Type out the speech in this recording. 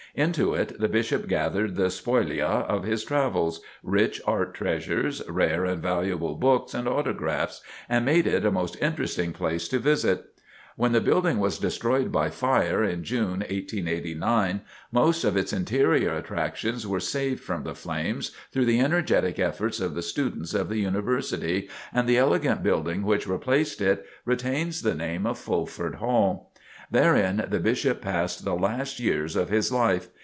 Into it the Bishop gathered the spolia of his travels, rich art treasures, rare and valuable books and autographs, and made it a most interesting place to visit. When the building was destroyed by fire in June, 1889, most of its interior attractions were saved from the flames through the energetic efforts of the students of the University, and the elegant building which replaced it, retains the name of Fulford Hall. Therein the Bishop passed the last years of his life.